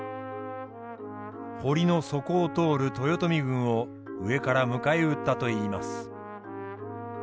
堀の底を通る豊臣軍を上から迎え撃ったといいます。